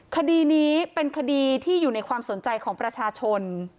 คดีนี้เป็นคดีที่อยู่ในความสนใจของประชาชน